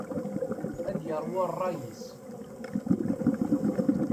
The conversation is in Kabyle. Ad yerwu rray-is.